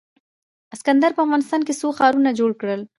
اسکندر په افغانستان کې څو ښارونه جوړ کړل